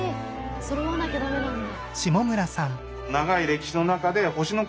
そろわなきゃダメなんだ。